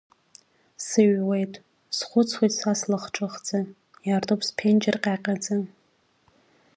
Сыҩуеит, схәыцуеит са слахҿыхӡа, иаартуп сԥенџьыр ҟьаҟьаӡа.